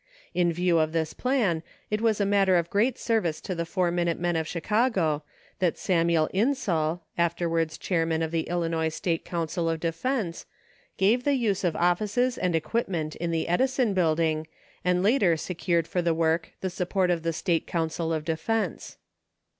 In view of this plan it was a matter of great service to the Four Minute Men of Chicago that Samuel Insull, afterwards Chairman of the Illinois State Council of Defense, gave the use of offices and equipment in the Edison building 14 and later secured for the work the support of the State Council of Defense.